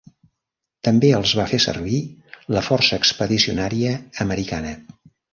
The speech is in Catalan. També els va fer servir la Força Expedicionària Americana.